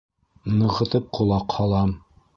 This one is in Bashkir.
Нығытып ҡолаҡ һалам.